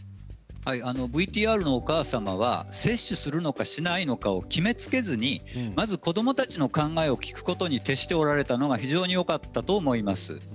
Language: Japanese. ＶＴＲのお母様は接種するのかしないのかを決めつけずにまず子どもたちの考えを聞くことに徹しておられたのが非常によかったと思います。